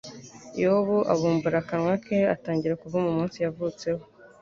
yobu abumbura akanwa ke atangira kuvuma umunsi yavutseho